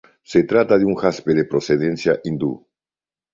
Se trata de un jaspe de procedencia hindú.